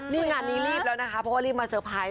นี่งานนี้รีบแล้วนะคะเพราะว่ารีบมาเตอร์ไพรส